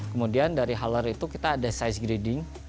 kemudian dari halar itu kita ada size grading